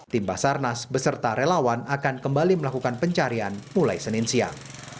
timba sar nas beserta relawan akan kembali melakukan pencarian mulai senin siang